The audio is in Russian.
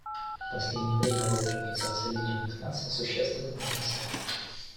В последнее время роль Организации Объединенных Наций существенно возросла.